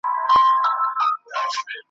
هری خواته یې شنېلۍ وې ښکارېدلې ,